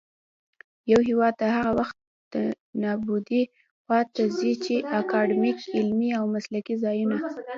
يـو هـېواد هغـه وخـت دې نـابـودۍ خـواته ځـي ،چـې اکـادميـک، عـلمـي او مـسلـکي ځـايـونــه